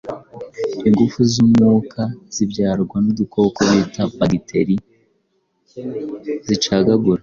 Ingufu z’umwuka zibyarwa n’udukoko bita bagiteri zicagagura